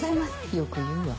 よく言うわ。